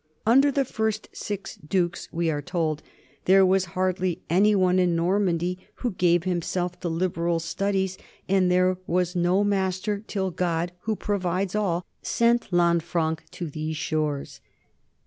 "Under the first six dukes," we are told, "there was hardly any one in Normandy who gave himself to liberal studies, and there was no master till God, who provides for all, sent Lanfranc to these shores."